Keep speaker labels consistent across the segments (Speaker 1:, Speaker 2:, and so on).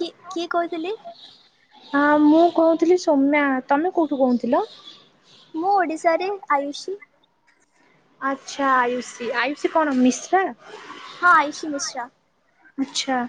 Speaker 1: କି-କିଏ କହିଥିଲେ?
Speaker 2: ହଁ ମୁଁ କହୁଥିଲି ସୌମ୍ୟା। ତମେ କଉଠୁ କହୁଥିଲ?
Speaker 1: ମୁଁ ଓଡ଼ିଶାରେ ଆୟୁଷୀ।
Speaker 2: ଆଚ୍ଛା ଆୟୁଷୀ ଆୟୁଷୀ କଣ ମିଶ୍ରା?
Speaker 1: ହଁ ଆୟୁଷି ମିଶ୍ରା।
Speaker 2: ଆଚ୍ଛା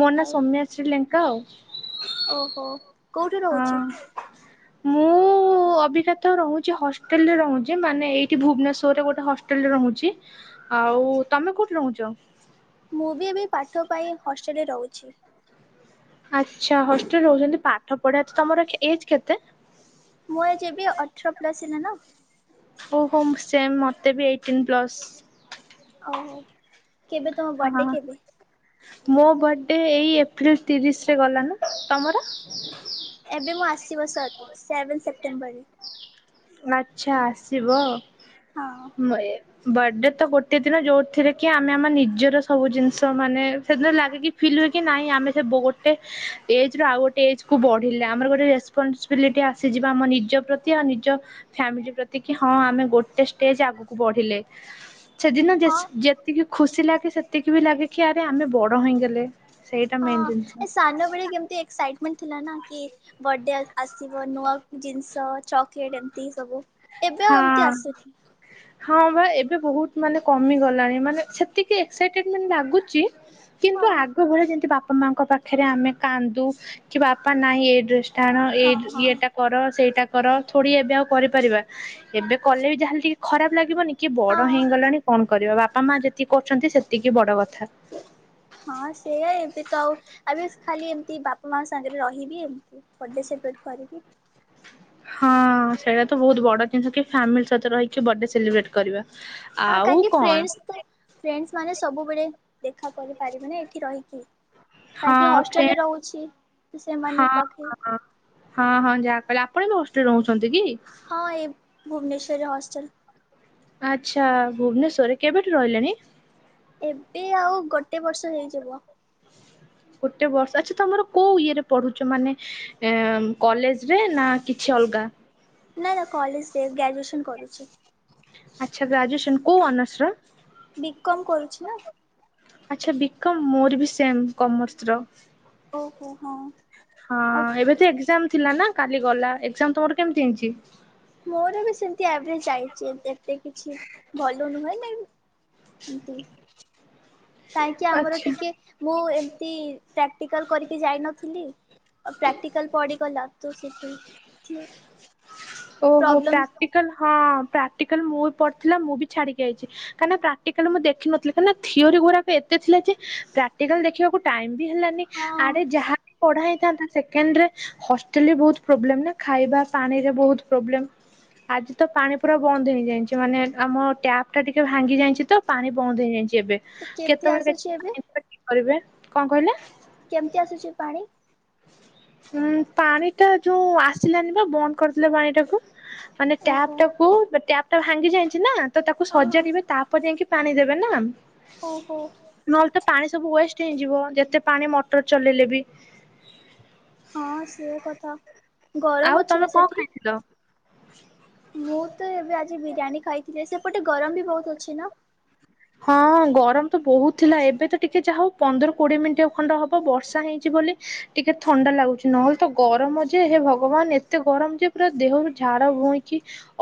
Speaker 2: ମୋ ନା
Speaker 1: ଆଉ
Speaker 2: ସୋମ୍ୟାଶ୍ରୀ ଲେଙ୍କା ଆଉ।
Speaker 1: ଓହୋ କଉଠି
Speaker 2: ହଁ।
Speaker 1: ରହୁଛ?
Speaker 2: ମୁଁ। ଉଁ ଅବିକା ତ ରହୁଛି ହଷ୍ଟେଲରେ ରହୁଛି ମାନେ ଏଇଠି ଭୁବନେଶ୍ୱରରେ ଗୋଟେ ହଷ୍ଟେଲରେ ରହୁଛି। ଆଉ ତମେ କଉଠି ରହୁଛ?
Speaker 1: ମୁଁ ବି ଏବେ ପାଠ ପାଇଁ ହଷ୍ଟେଲରେ ରହୁଛି।
Speaker 2: ଆଚ୍ଛା ହଷ୍ଟେଲ ରହୁଛନ୍ତି ପାଠ ପଢିବା ତ-ତମର କେ ଏଜ କେତେ?
Speaker 1: ମୋ ଏଜ ଏବେ ଅଠର ପ୍ଲସ୍ ହେଲା ନା।
Speaker 2: ଓ ହୋ ସେମ ମୋତେ ବି ଏଇଟିନ୍ ପ୍ଲସ୍।
Speaker 1: ଓହୋ କେବେ ତମ
Speaker 2: ହଁ।
Speaker 1: ବଡେ
Speaker 2: ହଁ
Speaker 1: କେବେ?
Speaker 2: ମୋ ବଡ଼େ ଏଇ ଏପ୍ରିଲ ତିରିଶରେ ଗଲା ନା। ତମର?
Speaker 1: ଏବେ ମୋ ଆସିବ ସ ସେଭେନ ସେପ୍ଟେମ୍ବରରେ।
Speaker 2: ଆଚ୍ଛା ଆସିବ।
Speaker 1: ହଁ।
Speaker 2: ଉଁ ଏ ବଡେ ତ ଗୋଟେ ଦିନ ଯୋଉଥିରେ କି ଆମେ ଆମ ନିଜର ସବୁ ଜିନିଷ ମାନେ। ସେଦିନ ଲାଗେ କି ଫିଲ ହୁଏ କି ନାଇଁ ଆମେ ସେ ବୋ ଗୋଟେ। ଏଜ ରୁ ଆଉ ଗୋଟେ ଏଜକୁ ବଢିଲା ଆମର ଗୋଟେ ରେସପୋନସବିଲିଟି ଆସିଯିବ ଆମ ନିଜ ପ୍ରତି ଆଉ ନିଜ। ଫ୍ୟାମିଲି ପ୍ରତି କି ହଁ ଆମେ ଗୋଟେ ଷ୍ଟେଜ ଆଗକୁ ବଢିଲେ। ସେଦିନ
Speaker 1: ହଁ।
Speaker 2: ଯେସ ଯେତିକି ଖୁସି ଲାଗେ ସେତିକି ବି ଲାଗେ କି ଆରେ ଆମେ ବଡ ହେଇଁଗଲେ। ସେଇଟା ମେ
Speaker 1: ଅଁ ଏ ସାନବେଳେ କେମତି, ଏକ୍ସାଇଟ୍ ମାନେ ଥିଲା ନା, କି ବର୍ଡେ ଆସିବ, ନୂଆ ଜିନିଷ, ଚକ୍ ଲେଟ ଏମିତି ସବୁ ଏବେ ଆଉ, ଏମିତି
Speaker 2: ହଁ।
Speaker 1: ଆସୁନି।
Speaker 2: ହଁ ବା, ଏବେ ବହୁତ ମାନେ କମି ଗଲାଣି। ମାନେ ସେତିକି ଏକ୍ସାଇଟେଟ୍ ମେଣ୍ଟ ଲାଗୁଛି
Speaker 1: ହଁ
Speaker 2: କିନ୍ତୁ, ଆଗ ଭଳିଆ ଯେମତି ବାପା ମାଁଙ୍କ ପାଖରେ, ଆମେ କାନ୍ଦୁ କି ବାପା ନାଇଁ ଏଇ ଡ୍ରେସ୍ କାରଣ ଏଇ
Speaker 1: ହଁ ହଁ
Speaker 2: ଇଏଟା କର, ସେଇଟା କର, ଥୋଡ଼ି ଏବେ ଆଉ କରିପାରିବା। ଏବେ କଲେ ବି ଯାହେଲେ ଟିକେ, ଖରାପ ଲାଗିବନି। କିଏ ବଡ
Speaker 1: ହଁ।
Speaker 2: ହେଇଁଗଲାଣି, କଣ କରିବ? ବାପା ମା ଯେତ୍ କି କରୁଛନ୍ତି, ସେତିକି ବଡ କଥା।
Speaker 1: ହଁ, ସେଆ ଏବେ ତ ଆଉ, ଆବେ ଖାଲି ଏମିତି ବାପା ମା ସାଙ୍ଗରେ ରହିବି, ଏମିତି। ବର୍ଥଡେ ସେପ୍ରେଟ୍ କରିକି
Speaker 2: ହଁ, ସେଇଟା ତ ବହୁତ ବଡ ଜିନିଷ କି! ଫାମିଲି ସହିତ ରହିିକି ବର୍ଡେ ସେଲିବ୍ରେଟ୍ କରିବା।
Speaker 1: ହଁ
Speaker 2: ଆଉ
Speaker 1: କାହିଁକି
Speaker 2: କଣ?
Speaker 1: ଫ୍ରେଣ୍ଡସ୍ ତ ଫ୍ରେଣ୍ଡସ୍ ମାନେ ସବୁବେଳେ ଦେଖା କରିପାରିବେନ, ଏଠି ରହିକି କାହିଁକି,
Speaker 2: ହଁ ଫ୍ରେ
Speaker 1: ହଷ୍ଟେଲରେ ରହୁଛି। ସେମାନେ
Speaker 2: ହଁ
Speaker 1: ପାଖେ
Speaker 2: ହଁ ହଁ, ହଁ, ଯାହା କହିଲ। ଆପଣ ବି ହଷ୍ଟେଲରେ ରହୁଛନ୍ତି କି?
Speaker 1: ହଁ, ଏଇ ଭୁବନେଶ୍ୱର ହଷ୍ଟେଲ।
Speaker 2: ଆଚ୍ଛା, ଭୁବନେଶ୍ୱର ରେ, କେବେଠୁ ରହିଲେଣି?
Speaker 1: ଏବେ ଆଉ ଗୋଟେ ବର୍ଷ ହେଇଯିବ।
Speaker 2: ଗୋଟେ ବର୍ଷ ଆଚ୍ଛା, ତମର କୋଉ ଇଏରେ ପଢୁଛ, ମାନେ? ଏଁ, କଲେଜରେ ନା କିଛି ଅଲଗା?
Speaker 1: ନା, ନା, କଲେଜରେ ଗ୍ରାଜୁଏସନ୍ କରୁଛି।
Speaker 2: ଆଚ୍ଛା, ଗ୍ରାଜୁଏସନ୍ କଉ ଅନର୍ର୍ସର?
Speaker 1: ବି କମ୍ କରୁଛି ନା!
Speaker 2: ଆଚ୍ଛା, ବି କମ୍ ମୋର ବି ସେମ୍ କମର୍ସର।
Speaker 1: ଓହୋ, ହଁ।
Speaker 2: ହଁ,
Speaker 1: ଆଉ
Speaker 2: ଏବେ ତ ଏକ୍ଜାମ ଥିଲା ନା କାଲି ଗଲା। ଏକ୍ଜାମ ତମର କେମିତି ହେଇଛି?
Speaker 1: ମୋର ବି ସେମତି ଆଭେରେଜ୍ ଯାଇଛି। ଏତେ କିଛି ଭଲ ନୁହେଁ। ନାଇଁ କାହିଁକି ଆମର
Speaker 2: ଆଚ୍ଛା
Speaker 1: ଟିକେ, ମୁଁ ଏମତି ପ୍ରାକ୍ଟିକାଲ୍ କରିକି ଯାଇନଥିଲି। ଓ ପ୍ରାକ୍ଟିକାଲ୍ ପଡ଼ିଗଲା ତୋ ସେଠି, ଥିଓ
Speaker 2: ଓହୋ! ପ୍ରାକ୍ଟିକାଲ୍ ହଁ ପ୍ରାକ୍ଟିକାଲ୍ ମୁଁ ବି ପଢଥିଲା, ମୁଁ ବି ଛାଡିକି ଆଇଛି। କାଇଁକିନା, ପ୍ରାକଟିକାଲ୍ ମୁଁ ଦେଖିନଥିଲି, କାଇଁ ନା ଥିଓରି ଗୁରାକ ଏତେ ଥିଲା ଯେ ପ୍ରାକ୍ଟିକାଲ୍ ଦେଖିବାକୁ ଟାଇମ୍ ବି ହେଲାନି।
Speaker 1: ହଁ
Speaker 2: ଆଡେ ଯାହା ପଢା ହେଇଥାନ୍ତା, ସେକେଣ୍ଡ ରେ ହଷ୍ଟେଲରେ ବହୁତ ପ୍ରୋବ୍ଲେମ୍ ନା, ଖାଇବା, ପାଣିରେ ବହୁତ ପ୍ରୋବ୍ଲେମ୍ ଆଜି ତ ପାଣି ପୁରା ବନ୍ଦ ହେଇଁଯାଇଛି। ମାନେ ଆମ ଟ୍ୟାପ୍ ଟା ଟିକେ ଭାଙ୍ଗି ଯାଇଁଛି ତ, ପାଣି ବନ୍ଦ ହେଇଯାଇଛି ଏବେ।
Speaker 1: ତ କେମିତି
Speaker 2: କେତେବେଳେ
Speaker 1: ଆସୁଛି ଏବେ
Speaker 2: [inaudible] କରିବେ, କଣ କହିଲେ?
Speaker 1: କେମିତି ଆସୁଛି ପାଣି?
Speaker 2: ଉୁଁ, ପାଣି ଟା ଯୋଉ ଆସିଲାନି, ବା ବନ୍ଦ କରିଥିଲେ ପାଣି ଟାକୁ। ମାନେ
Speaker 1: ଓହୋ
Speaker 2: ଟ୍ୟାପ୍ ଟାକୁ ଟ୍ୟାପ୍ ଟା ଭାଙ୍ଗି ଯାଇଁଛି ନା, ତ ତାକୁ
Speaker 1: ହଁ ହଁ
Speaker 2: ସଜାଡିବେ। ତା'ପରେ ଯାଇଁକି ପାଣି ଦେବେ ନା!
Speaker 1: ଓହୋ।
Speaker 2: ନହେଲେ ତ ପାଣି ସବୁ ୱେଷ୍ଟ ହେଇଁଯିବ। ଯେତେ ପାଣି ମଟର ଚଲେଇଲେ ବି।
Speaker 1: ହଁ, ସିଏ କଥା।
Speaker 2: ଆଉ
Speaker 1: ଗରମ ଅଛି ନା
Speaker 2: ତମେ କଣ
Speaker 1: ସେଠି?
Speaker 2: ଖାଇଥିଲ?
Speaker 1: ମୁଁ ତ ଏବେ ଆଜି ବିରିୟାନୀ ଖାଇଥିଲି। ସେପଟେ ଗରମ ବି ବହୁତ ଅଛି ନା?
Speaker 2: ହଁ, ଗରମ ତ ବହୁତ ଥିଲା। ଏବେ ତ ଟିକେ ଯା ହଉ ପନ୍ଦର କୋଡିଏ ମିନିଟ୍ ଖଣ୍ଡ ହବ ବର୍ଷା ହେଇଁଛି ବୋଲି ଟିକେ ଥଣ୍ଡା ଲାଗୁଛି। ନହେଲେ ତ ଗରମ ଯେ, ହେ ଭଗବାନ! ଏତେ ଗରମ ଯେ ପୁରା ଦେହରୁ ଝାଡ ଭୋଇଁଛି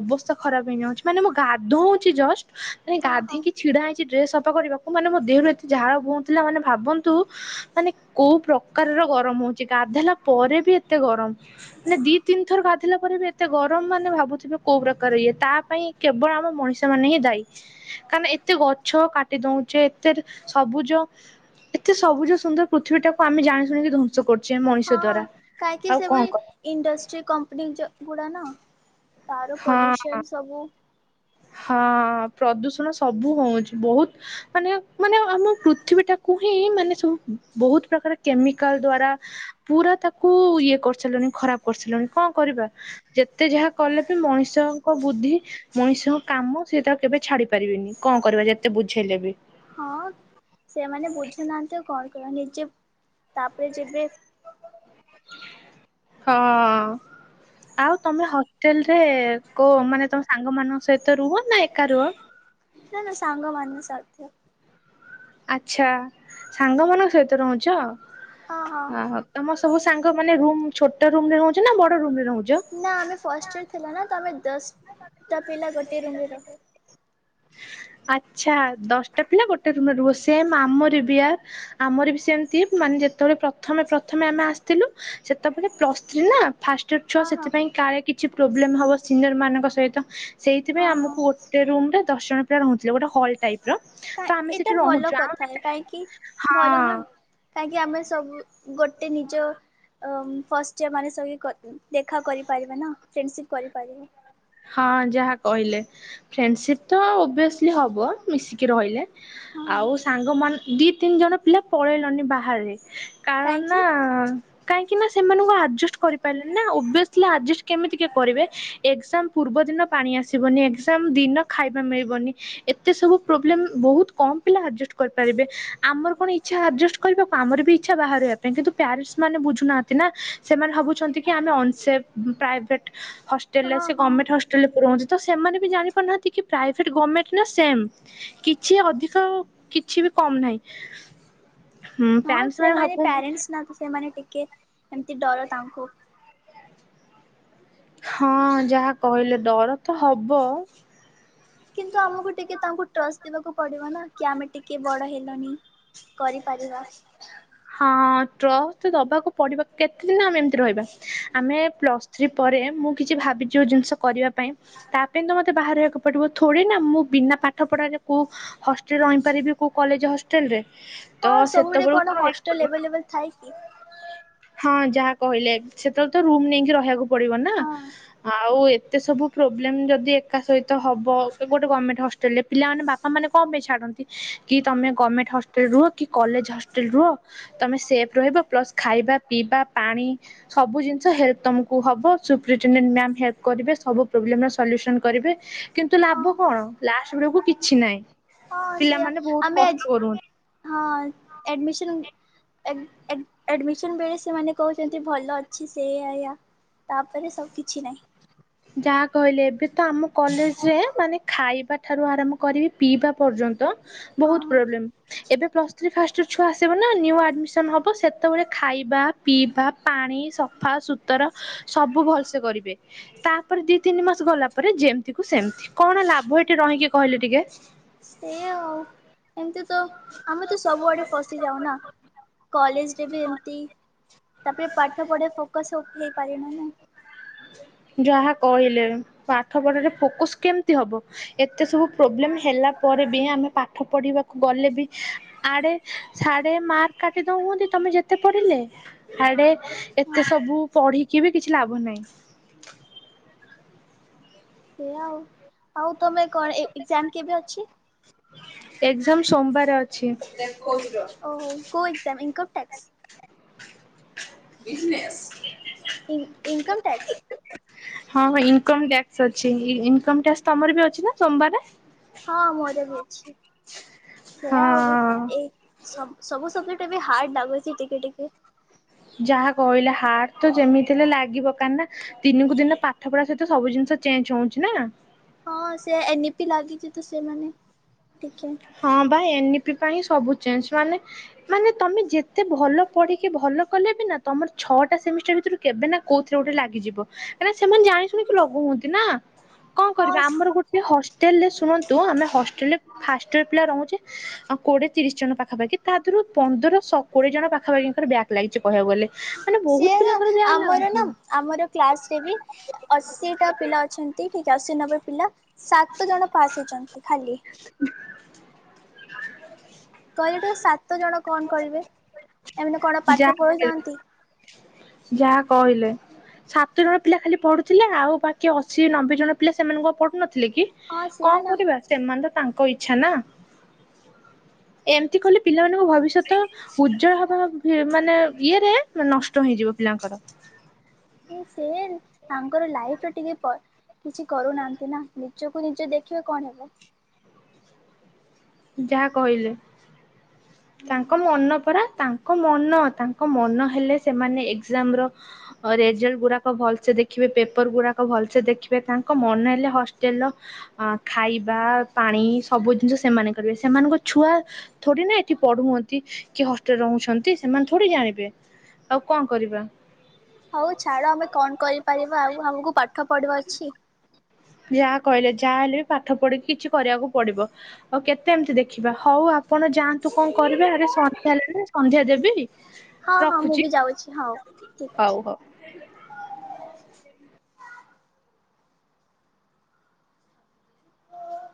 Speaker 2: ଅବସ୍ଥା ଖରାପ ହେଇଯାଁଉଛି। ମାନେ ମୁଁ ଗାଧଉଛି ଜଷ୍ଟ, ମାନେ
Speaker 1: ହଁ ହଁ
Speaker 2: ଗାଧେଇଁ କି ଛିଡା ହେଇଁଛି ଡ୍ରେସ୍ ସଫା କରିବାକୁ। ମାନେ ମୋ ଦେହରୁ ଏତେ ଝାଳ ବୋହୁଁଥିଲା ମାନେ ଭାବନ୍ ନ୍ତୁ ମାନେ କୋଉ ପ୍ରକାରର ଗରମ ହଉଛି। ଗାଧୋଇଲା ପରେ ବି ଏତେ ଗରମ! ମାନେ ଦି ତିନି ଥର ଗାଧେଇଲା ପରେ ବି ଏତେ ଗରମ ମାନେ ଭାବୁଥିବେ କୋଉ ପ୍ରକାର ଇଏ। ତା ପାଇଁ କେବଳ ଆମ ମଣିଷ ମାନେ ହିଁ ଦାୟୀ। କାରଣ ଏତେ ଗଛ କାଟି ଦଉଛେ ଏତେ ସବୁଜ ଏତେ ସବୁଜ ସୁନ୍ଦର ପୃଥିବୀ ଟାକୁ ଆମେ ଜାଣି ଶୁଣିକି ଧ୍ବଂ ସ କରୁଚେ ମଣିଷ
Speaker 1: ହଁ
Speaker 2: ଦ୍ଵାରା।
Speaker 1: କାହିଁକି
Speaker 2: ଆଉ
Speaker 1: ସେଭଳି
Speaker 2: କଣ କର
Speaker 1: ଇଣ୍ଡଷ୍ଟ୍ରି କମ୍ପାନୀ ଜ ଗୁଡ଼ା ନା ତାର
Speaker 2: ହଁ
Speaker 1: ପଲ୍ୟୁସନ ସବୁ।
Speaker 2: ହଁ ପ୍ରଦୂଷଣ ସବୁ ହଉଛି। ବହୁତ ମାନେ ମାନେ ଆମ ପୃଥିବୀ ଟାକୁ ହିଁ ମାନେ ସବୁ ବହୁତ ପ୍ରକାର କେମିକାଲ ଦ୍ଵାରା ପୁରା ତାକୁ ଇଏ କରିସାରିଲେଣି ଖରାପ। କରିସିଲୁଣି କଣ କରିବା ଯେତେ ଯାହା କଲେ ବି ମଣିଷଙ୍କ ବୁଦ୍ଧି। ମଣିଷଙ୍କ କାମ ସେ ତା କେବେ ଛାଡି ପାରିବିନି କଣ କରିବା ଯେତେ ବୁଝେଇଲେ ବି।
Speaker 1: ହଁ ସେମାନେ ବୁଝୁନାହାନ୍ତି କଣ କର ନିଜେ ତାପରେ ଯେବେ
Speaker 2: ହଁ। ଆଉ ତୁମେ ହଷ୍ଟେଲରେ କେଉଁ ମାନେ ତୁମ ସାଙ୍ଗମାନଙ୍କ ସହିତ ରୁହ ନା ଏକା ରୁହ?
Speaker 1: ନା ନା ସାଙ୍ଗ ମାନ ସାଥେ
Speaker 2: ଆଚ୍ଛା ସାଙ୍ଗମାନଙ୍କ ସହିତ ରହୁଛ।
Speaker 1: ହଁ ହଁ
Speaker 2: ଓ ହା। ତମ ସବୁ ସାଙ୍ଗ ମାନେ ରୁମ ଛୋଟ ରୁମ ରେ ରହୁଛ ନା ବଡ ରୁମ ରେ ରହୁଛ?
Speaker 1: ନା ଆମେ ଫାଷ୍ଟ ଇୟର ଥିଲା ନା ତ ଆମେ ଦଶଟା ପିଲା ଗୋଟିଏ ରୁମ୍ ରେ ରହୁ।
Speaker 2: ଆଛା ଦଶଟା ପିଲା ଗୋଟେ ରୁମରେ ରୁହ ସେମ ଆମର ବି ଆ ଆମର ବି ସେମିତି ମାନେ ଯେତେବେଳେ ପ୍ରଥମେ ପ୍ରଥମେ ଆମେ ଆସିଥିଲୁ ସେତେବେଳେ ପ୍ଲସ୍ ଥ୍ରୀ ନା ଫା ଛୁ
Speaker 1: ହଁ ହଁ
Speaker 2: ସେଥିପାଇଁ କାହାର କିଛି ପ୍ରୋବ୍ଲେମ୍ ହେବ ସିନିୟରମାନଙ୍କ ସହିତ ସେଇଥିପାଇଁ
Speaker 1: ହଁ ହଁ
Speaker 2: ଆମକୁ ଗୋ ସେ ରୁ ଦଶ ଜଣ ପିଲା ରହୁଥିଲେ ଗୋଟେ ହଲ୍ ଟାଇପ୍।
Speaker 1: କ ଏଟା ଭଲ କଥା କହିଁକି ଭଲ
Speaker 2: ହଁ
Speaker 1: ନା। କାହିଁକି ଆମେ ସବୁ ଗୋଟେ ନିଜ ଫାଷ୍ଟ ଯେମାନେ ସେବି ଦେଖା କରିପାରିବେ ନା ଫ୍ରେଣ୍ଡସିପ୍ କରିପାରିବେ।
Speaker 2: ହଁ ଯାହା କହିଲେ ଫ୍ରେଣ୍ଡସିପ ତ ଓଭିସଲି ହବ ମିଶିକି ରହିଲେ।
Speaker 1: ହଁ ହଁ
Speaker 2: ଆଉ ସାଙ୍ଗ ମାନ ଦି ତିନି ଜଣ ପିଲା ପଳେଇଲଣିି ବାହାରେ। କାରଣ ନା
Speaker 1: କାହିଁକି
Speaker 2: କାହିଁକି ନା ସେମାନଙ୍କୁ ଆଜେଷ୍ଟ କରିପାରିଲେନି ନା ଓବିଅସିଲ୍ କେମତି କିଏ କରିବେ ଏକ୍ସାମ ପୂର୍ବଦିନ ପାଣି ଆସିବନି ଏକ୍ସାମ୍ ଦିନ ଖାଇବା ମିଳିବନି। ଏତେ ସବୁ ପ୍ରୋବ୍ଲେମ୍ ବହୁତ କମ୍ ପିଲା ଆଡ଼ଜଷ୍ଟ କରିପାରିବେ ଆମର କଣ ଇଚ୍ଛା ଆଡ଼ଜଷ୍ଟ କରିବାକୁ ଆମର ବି ଇଚ୍ଛା ବାହାରିବା ପାଇଁ କିନ୍ତୁ ପ୍ୟାରେଣ୍ଟସ ମାନ ବୁଝୁନାହାନ୍ତି ନା ସେମାନେ ଭାବୁ ସେମାନେ ଭାବୁଛନ୍ତି କି ଆମେ ଅନସେଫ୍ଟ ପ୍ରାଇଭେଟ୍ ହଷ୍ଟେଲ ଆ
Speaker 1: ହଁ ହଁ
Speaker 2: ହଷ୍ଟେଲରେ ପ ତ ସେମାନେ ବି ଜାଣିପାରୁନାହାନ୍ତି କି ପ୍ରାଇଭେଟ ଗର୍ମେଣ୍ଟ ନା ସେମ୍ କିଛି ଅଧିକ କିଛି ବି କମ ନାହିଁ। ହୁଁ
Speaker 1: ହଁ
Speaker 2: ପ୍ୟାରେଣ୍ଟସ୍ ମାନେ
Speaker 1: ସେମାନେ
Speaker 2: ଭାବୁଛନ୍ତି
Speaker 1: ପ୍ୟାରେଣ୍ଟସ୍ ନା ତ ସେମାନେ ଟିକେ ଏମିତି ଡର ତାଙ୍କୁ
Speaker 2: ହଁ ଯାହା କହିଲେ ଡର ତ ହବ।
Speaker 1: କିନ୍ତୁ ଆମକୁ ଟିକେ ତାଙ୍କୁ ଟ୍ରଷ୍ଟ ଦବାକୁ ପଡିବ ନା କି ଆମେ ଟିକେ ବଡ଼ ହେଲଣି। କରିପାରିବା।
Speaker 2: ହଁ ଟ୍ଲସ ତ ଦବାକୁ ପଡିବା କେତେ ଦିନ ଆମେ ଏମତି ରହିବା ଆମେ ପ୍ଲସ୍ ଥ୍ରୀ ପରେ ମୁଁ କିଛି ଭାବିଛି କିଛି ଯୋଉ ଜିନିଷ କରିବା ପାଇଁ ତା ପାଇଁ ତ ମୋତେ ବାହାରେ ରହିବାକୁ ଏପଟିବ ଥୋଡ଼ି ନା ମୁଁ ବିନା ପାଠ ପଢ଼ାରେ କେଉଁ ହଷ୍ଟେଲ ରହିପାରିବି କେଉଁ କଲେଜ ହଷ୍ଟେଲରେ
Speaker 1: ହଁ
Speaker 2: ତ
Speaker 1: ସବୁ ଆଡେ
Speaker 2: ସେତେବେଳକୁ
Speaker 1: କଣ
Speaker 2: ତ ରହିବାକୁ ପଡିବ
Speaker 1: ହଷ୍ଟେଲ ଆଭେଲେବୁଲ୍ ଥାଏ କି?
Speaker 2: ହଁ ଯାହା କହିଲେ। ସେତେବେଳେ ତ ରୁମ ନେଇକି ରହିବାକୁ ପଡିବ ନା
Speaker 1: ହଁ
Speaker 2: ଆଉ ଏତେ ସବୁ ପ୍ରୋବ୍ଲେମ ଯଦି ଏକା ସହିତ ହବ ଗୋଟେ ଗଭର୍ମେଣ୍ଟ ହଷ୍ଟେଲ ହଲରେ ପିଲାମାନେ ବାପା ମାନ କଣ ପାଇଁ ଛାଡନ୍ତି କି ତମେ ଗଭର୍ଣ୍ଣମେଣ୍ଟ ହଷ୍ଟେଲ ରହ କି କଲେଜ ହଷ୍ଟେଲ ରୁହ ତମେ ସେଫ ରହିବ ପ୍ଲସ ଖାଇବା ପିଇବା ପାଣି ସବୁ ଜିନିଷ ହେଲେପ୍ ତମକୁ ହବ ସୁ ପର୍ଚୁନଟି ମାମ ହେଲ୍ପ କରିବେ ସବୁ ପ୍ରୋବଲମେ କରିବେ। କିନ୍ତୁ
Speaker 1: ହଁ
Speaker 2: ଲାଭ କଣ ଲାଷ୍ଟ ବେଳକୁ କିଛି ନାହିଁ
Speaker 1: ହଁ ସେୟା
Speaker 2: ପିଲାମାନେ ବହୁତ
Speaker 1: ଆମେ ଆଜି
Speaker 2: କଷ୍ଟ କରୁନ୍ତି କେ
Speaker 1: ହଁ ଏଡ଼ମିଶନ୍ ଏ ଏ ଏଡ଼ମିସନ୍ ବେଳେ ସେମାନେ କହୁଚନ୍ତି ଭଲ ଅଛି ସେ ଆଆ ତାପରେ ସବୁ କିଛି ନାହିଁ।
Speaker 2: ଯାହା କହିଲେ ଏବେ ତ ଆମ କଲେଜ ରେ ମାନେ ଖାଇବା ଠାରୁ ଆରମ୍ଭ କରିବି ପିଇବା ପର୍ଯ୍ୟନ୍ତ ବହୁତ
Speaker 1: ହଁ
Speaker 2: ପ୍ରୋବ୍ଲେମ। ଏବେ ପ୍ଲସ୍ ଥ୍ରି ଫଛୁ ଆସିବ ନା ଆଡମିସନ ହବ ସେତେବେଳେ ଖାଇବା ପିଇବା ପାଣି ସଫା ସୁତୁର ସବୁ ଭଲସେ କରିବେ ତା ତାପରେ ଦି ତିନି ମାସ ଗଲା ପରେ ଯେମିତି କୁ ସେମିତି କଣ ଲାଭ ଏଠି ରହିକି କହିଲେ ଟିକେ।
Speaker 1: ସେଇ ଆଉ। ଏମିତି ତ ଆମେ ତ ସବୁଆଡ଼େ ଫସିଯାଉନା କଲେଜରେ ବି ଏମିତି ତାପରେ ପାଠ ପଢ଼ା ଫୋକସ ହେଇପାରି ନା ନା।
Speaker 2: ଯାହା କହିଲେ ପାଠ ପଢାରେ ଫୋକସ କେମିତି ହବ? ଏତେ ସବୁ ପ୍ରୋବ୍ଲେମ ହେଲା ପରେ ବି ଆମେ ପାଠ ପଢ଼ିବାକୁ ଗଲେ ବି ଆଡେ ସାଡେ ମାର୍କ କାଟି ଦଉଛନ୍ତି ତମେ ଯେତେ ପଢିଲେ। ସାଡେ ଏତେ ସବୁ ପଢିକି ବି କିଛି ଲାଭ ନାହିଁ।
Speaker 1: ସେ ଆଉ ଆଉ ତମେ କଣ ଏକ୍ଜାମ କେବେ ଅଛି?
Speaker 2: ଏକ୍ଜାମ ସୋମବାର ଅଛି।
Speaker 1: ଓ ଗୋ ଏକ୍ଜାମ ଇନକମ୍ ଟ୍ୟାକ୍ସ?
Speaker 2: ବିଜନେସ।
Speaker 1: ଈ ଇନକମ୍ ଟ୍ୟାକ୍ସ।
Speaker 2: ହଁ ଭାଇ ଇନକମ ଟକ୍ସ ଅଛି ଇନମ ଟକ୍ସ ତମର ବି ଅଛି ନା ସୋମବାର?
Speaker 1: ହଁ ମୋର ବି ଅଛି ସେୟା
Speaker 2: ହଁ
Speaker 1: ହଉ ବି ଏଇ ସବୁ ସବୁ ସବଜେକ୍ଟ ଏ ବି ହାର୍ଡ଼ ଲାଗୁଚି ଟିକେ ଟିକେ।
Speaker 2: ଯାହା କହିଲେ ହାର୍ଡ ତ ଯେମିତି ହେଲେ ଲାଗିବ କା ନା ଦିନକୁ ଦିନ ପାଠ ପଢା ସହିତ ସବୁ ଜିନିଷ ଚେଞ୍ଜ ହଉଚି ନା।
Speaker 1: ହଁ ସେ ଏନ ପି ଲାଗିଚି ତ ସେମାନେ ଟିକେ
Speaker 2: ହଁ ବା ଏନଇ ପି ପାଇଁ ସବୁ ଚେଞ୍ଜ ମାନେ ମାନେ ତମେ ଯେତେ ଭଲ ପଢିକି ଭଲ କଲେ ବି ନା ତମର ଛଅଟା ସେମିଟା ଭିତରୁ କେବେ ନା କୋଉଥିରେ ଗୋଟେ ଲାଗିଯିବ କାଁକ ସେମାନେ ଜାଣି ଶୁଣିକି ଲଗଉଚନ୍ତି ନା କଣ
Speaker 1: ହଁ
Speaker 2: କରିବା ଆମର ଗୋଟେ ହଷ୍ଟେଲରେ ଶୁଣନ୍ତୁ ଆମେ ହଷ୍ଟେଲରେ ଫାଷ୍ଟ ପିଲା ରହୁଚେ। ଆଉ କୋଡିଏ ତିରିଶ ଜଣ ପାଖାପାଖି ତା ଦିହରୁ ପନ୍ଦର ଶହ କୋଡିଏ ଜଣ ପାଖାପାଖିଙ୍କର ବ୍ୟାକ୍ ଲାଗିଚି କହିବାକୁ ଗଲେ। ମାନେ ବହୁତ
Speaker 1: ସେଇ ବା
Speaker 2: ପିଲାଙ୍କର ବ୍ୟାକ୍
Speaker 1: ଆମର ନା
Speaker 2: ଲାଗୁଛି
Speaker 1: ଆମର କ୍ଲାସ ରେ ବି ଅଶୀଟା ପିଲା ଅଛନ୍ତି ଠିକ ଅଶୀ ନବେ ପିଲା। ସାତ ଜଣ ପାସ୍ ହେଇଛନ୍ତି ଖାଲି
Speaker 2: [unintelligible]
Speaker 1: କାଲି ଠୁ ସାତ ଜଣ କଣ କରିବେ ଏମିତି କଣ ପାଠ
Speaker 2: ଯାହା
Speaker 1: ପଢ଼ୁଛନ୍ତି।
Speaker 2: ଯାହା କହିଲେ ସାତଜଣ ପିଲା ଖାଲି ପଢ଼ୁଥିଲେ ଆଉ ବାକି ଅଶୀ ନବେ ଜଣ ପିଲା ସେମାନଙ୍କ ପଢ଼ୁନଥିଲେ କି?
Speaker 1: ହଁ ସେଆ
Speaker 2: କଣ
Speaker 1: ନା
Speaker 2: କରିବା ସେମାନେ ତ ତାଙ୍କ ଇଚ୍ଛା ଚ୍ଛା ନା ଏମତି କଲେ ପିଲାମାନଙ୍କୁ ଭବିଷ୍ୟ ସତ ଉଜ୍ଜଳ ହବା ମାନେ ଇଏରେ ନଷ୍ଟ ହେଇଯିବ ପିଲାଙ୍କର।
Speaker 1: ସେ ତାଙ୍କର ଲାଇଫ ର ଟିକେ କିଛି କରୁନାହାନ୍ତି ନା ନିଜକୁ ନିଜ ଦେଖିବେ କଣ ହେବ।
Speaker 2: ଯାହା କହିଲେ। ତାଙ୍କ ମନ ପରା ତାଙ୍କ ମନ ତାଙ୍କ ମନ ହେଲେ ସେମାନେ ଏକ୍ଜାମର ରେଜଲ୍ଟ ଗୁଡାକ ଭଲସେ ଦେଖିବେ ପେପର ଗୁଡାକ ଭଲସେ ଦେଖିବେ ତାଙ୍କ ମନ ହେଲେ ହଷ୍ଟେଲ ର ଅ ଖାଇବା ପାଣି ସବୁ ଜିନିଷ ସେମାନେ କରିବେ। ସେମାନଙ୍କ ଛୁଆ ଥୋଡି ନା ପଢୁ ହଅନ୍ତି କି ହଷ୍ଟେଲରେ ରହୁଚନ୍ତି ସେମାନେ ଥୋଡି ଜାଣିବେ ଆଉ କଣ କରିବା।
Speaker 1: ହଉ ଛାଡ ଆମେ କଣ କରିପାରିବା ଆଉ ଆମକୁ ପାଠ ପଢିବା ଅଛି।
Speaker 2: ଯାହା କହିଲେ ଯାହା ହେଲେ ବି ପାଠ ପଢିକି କିଛି କରିବାକୁ ପଡିବ ଆଉ କେତେ ଏମିତି ଦେଖ ଖିବା ହଉ ଆପଣ ଯାଆନ୍ତୁ କଣ କରିବେ ଆରେ ସନ୍ଧ୍ୟା ହେଲାଣି ସନ୍ଧ୍ୟା ଦେବି।
Speaker 1: ହଁ ହଁ ମୁଁ
Speaker 2: ରଖୁଛି,
Speaker 1: ବି ଯାଉଛି ହଉ ଠିକ୍ ଅଛି।
Speaker 2: ହଉ ହଉ।